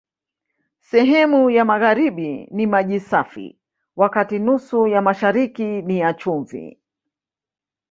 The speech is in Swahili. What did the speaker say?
Sehemu ya magharibi ni maji safi, wakati nusu ya mashariki ni ya chumvi.